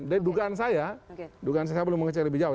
dari dugaan saya dugaan saya saya belum mengecek lebih jauh